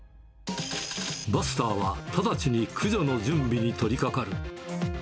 バスターは、直ちに駆除の準備に取りかかる。